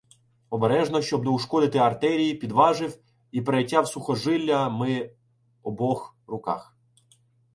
Обережно, щоб не ушкодити артерій, підважив і перетяв сухожилля ми обох руках.